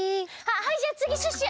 はいじゃあつぎシュッシュ。